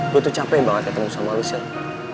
lu tuh capek banget ketemu sama lucille